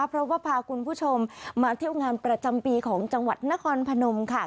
เพราะว่าพาคุณผู้ชมมาเที่ยวงานประจำปีของจังหวัดนครพนมค่ะ